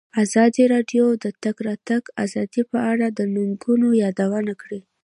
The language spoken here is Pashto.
ازادي راډیو د د تګ راتګ ازادي په اړه د ننګونو یادونه کړې.